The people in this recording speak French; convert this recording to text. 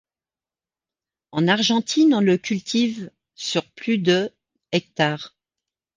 En Argentine, on le cultive sur plus de hectares.